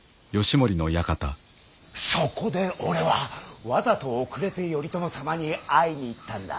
そこで俺はわざと遅れて頼朝様に会いに行ったんだ。